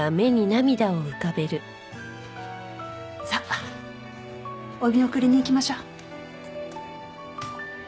さあお見送りに行きましょう。